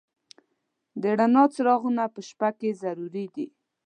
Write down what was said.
د رڼا څراغونه په شپه کې ضروري دي.